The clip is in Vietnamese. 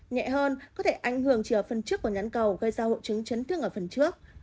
nhẹ hơn có thể ảnh hưởng chỉ ở phần trước của nhãn cầu gây ra hộ trứng chấn thương ở phần trước